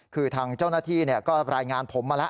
คือทางเจ้าหน้าที่ก็รายงานผมมาแล้ว